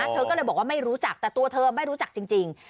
เธอก็เลยบอกว่าไม่รู้จักแต่ตัวเธอไม่รู้จักจริง